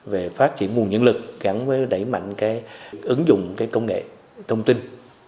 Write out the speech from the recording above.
về phát triển nguồn nhân lực gắn với đẩy mạnh cái ứng dụng công nghệ thông tin